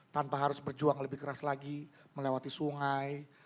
tanpa harus berjuang lebih keras lagi melewati sungai